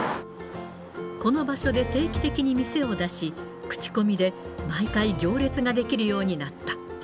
この場所で定期的に店を出し、口コミで、毎回行列が出来るようになった。